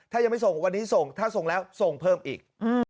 ถ้ายังไม่ส่งวันนี้ส่งถ้าส่งแล้วส่งเพิ่มอีก